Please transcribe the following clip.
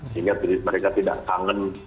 sehingga mereka tidak kangen